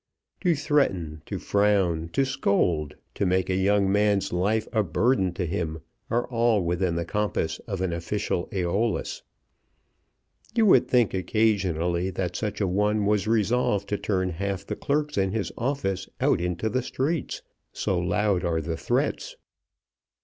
To threaten, to frown, to scold, to make a young man's life a burden to him, are all within the compass of an official Æolus. You would think occasionally that such a one was resolved to turn half the clerks in his office out into the streets, so loud are the threats.